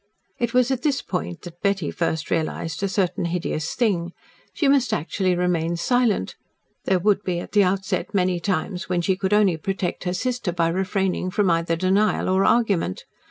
It was at this point that Betty first realised a certain hideous thing. She must actually remain silent there would be at the outset many times when she could only protect her sister by refraining from either denial or argument.